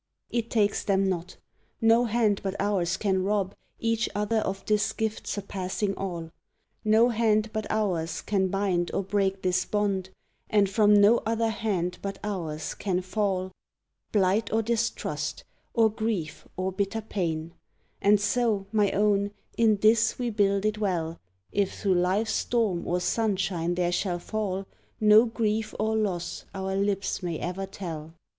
It takes them not no hand but ours can rob Each other of this gift surpassing all! No hand but ours can bind or break this bond, And from no other hand but ours can fall Blight or distrust, or grief or bitter pain; And so, my own, in this we builded well If through life's storm or sunshine there shall fall No grief or loss our lips may ever tell!